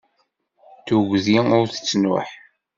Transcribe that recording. Tuggdi ur tettnuḥ.